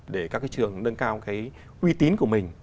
để các trường nâng cao uy tín của mình